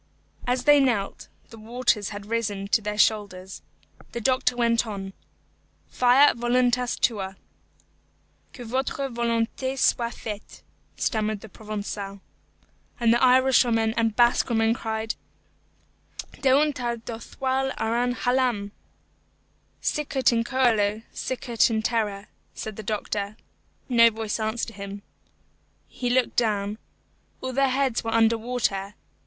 As they knelt, the waters had risen to their shoulders. The doctor went on, "Fiat voluntas tua." "Que votre volonté soit faite," stammered the Provençal. And the Irishwoman and Basque woman cried, "Deuntar do thoil ar an Hhalàmb." "Sicut in coelo, sicut in terra," said the doctor. No voice answered him. He looked down. All their heads were under water.